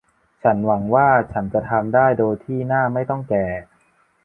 ฉันหวังว่าฉันจะทำได้โดยที่หน้าไม่ต้องแก่